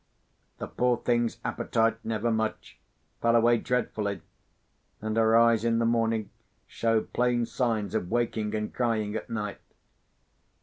The poor thing's appetite, never much, fell away dreadfully; and her eyes in the morning showed plain signs of waking and crying at night.